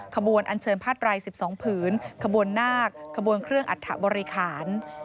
ขบวนอัญเชิญพาตราย๑๒ผืนขบวนหน้ากขบวนเครื่องอัตถะบริขาล